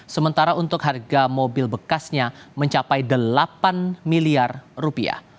sementara untuk harga mobil bekasnya mencapai delapan miliar rupiah